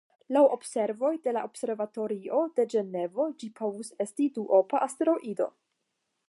Laŭ observoj de la Observatorio de Ĝenevo, ĝi povus esti duopa asteroido.